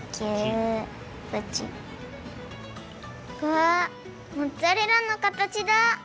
わあモッツァレラのかたちだ！